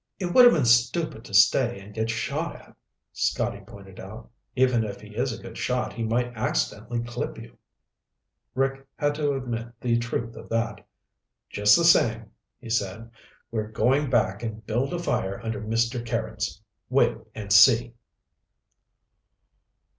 "It would have been stupid to stay and get shot at," Scotty pointed out. "Even if he is a good shot, he might accidentally clip you." Rick had to admit the truth of that. "Just the same," he said, "we're going back and build a fire under Mister Carrots. Wait and see!"